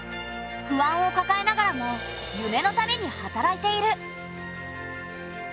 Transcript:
不安をかかえながらも夢のために働いている。